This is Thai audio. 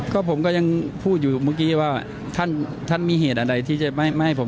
ก็ผมก็ยังพูดอยู่เมื่อกี้ว่าท่านท่านมีเหตุอะไรที่จะไม่ให้ผม